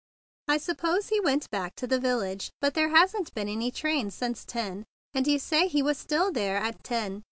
"I suppose he went back to the vil¬ lage, but there hasn't been any train since ten, and you say he was still there at ten.